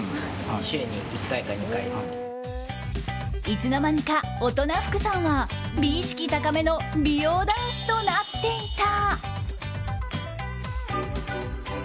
いつの間にか大人福さんは美意識高めの美容男子となっていた。